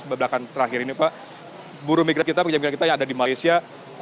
sebelah belakang terakhir ini pak buruh migran kita pekerja migran kita yang ada di malaysia